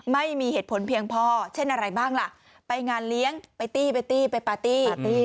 ไม่มีเหตุผลเพียงพอเช่นอะไรบ้างล่ะไปงานเลี้ยงไปตี้ไปตี้ไปปาร์ตี้